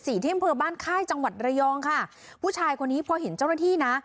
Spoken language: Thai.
ที่อำเภอบ้านค่ายจังหวัดระยองค่ะผู้ชายคนนี้พอเห็นเจ้าหน้าที่นะ